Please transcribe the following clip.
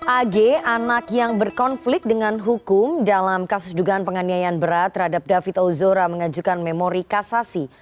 ag anak yang berkonflik dengan hukum dalam kasus dugaan penganiayaan berat terhadap david ozora mengajukan memori kasasi